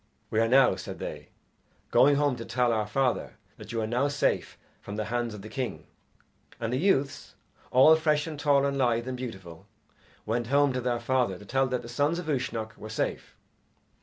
"We are now," said they, "going home to tell our father that you are now safe from the hands of the king." And the youths, all fresh and tall and lithe and beautiful, went home to their father to tell that the sons of Uisnech were safe.